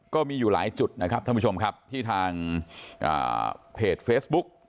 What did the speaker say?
ก็มีอยู่หลายจุดนะครับท่านผู้ชมครับที่ทางเพจเฟซบุ๊ก